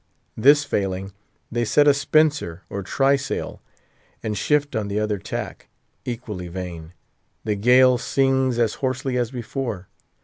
This failing, they set a spencer or try sail, and shift on the other tack. Equally vain! The gale sings as hoarsely as before.